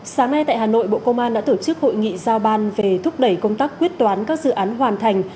sáng nay tại hà nội bộ công an đã tổ chức hội nghị giao ban về thúc đẩy công tác quyết toán các dự án hoàn thành